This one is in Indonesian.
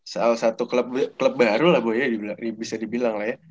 salah satu klub baru lah boleh bisa dibilang lah ya